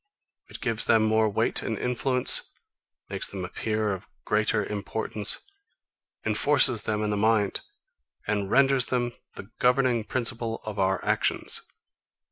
It gives them more weight and influence; makes them appear of greater importance; enforces them in the mind; and renders them the governing principle of our actions.